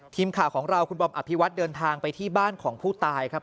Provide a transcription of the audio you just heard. ทีมข่าวของเราคุณบอมอภิวัตเดินทางไปที่บ้านของผู้ตายครับ